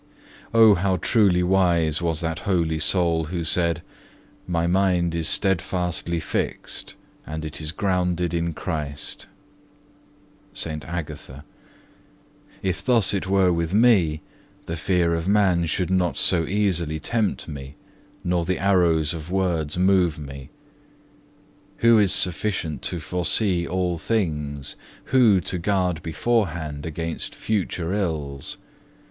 3. Oh, how truly wise was that holy soul which said, "My mind is steadfastly fixed, and it is grounded in Christ."(2) If thus it were with me, the fear of man should not so easily tempt me, nor the arrows of words move me. Who is sufficient to foresee all things, who to guard beforehand against future ills?